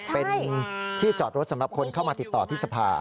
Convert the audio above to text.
เป็นที่จอดรถสำหรับคนเข้ามาติดต่อที่สภา